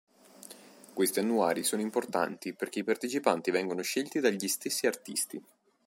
Questi Annuari sono importanti perché i partecipanti vengono scelti dagli stessi artisti.